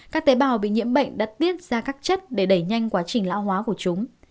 các tế bào bị nhiễm bệnh đã tiết ra các chất để đẩy nhanh quá trình lão hóa của chúng